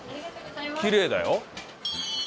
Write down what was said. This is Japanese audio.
きれいだよ。